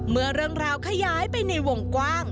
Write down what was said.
เมื่อเรื่องราวขยายไปในวงกว้าง